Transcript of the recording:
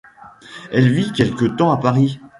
Elle vit quelque temps à Paris.